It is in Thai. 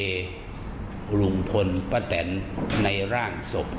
ในร่างดีเอ็นเอลุงพลป้าแตนในร่างดีเอ็นเอลุงพลป้าแตน